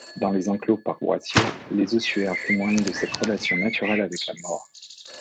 Dans les enclos paroissiaux, les ossuaires témoignent de cette relation naturelle avec la mort.